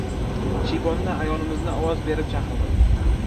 Shiyponda ayolimizni ovoz berib chaqirdim.